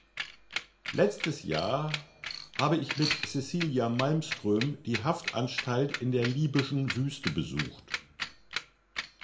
Letztes Jahr habe ich mit Cecilia Malmström die Haftanstalt in der libyschen Wüste besucht.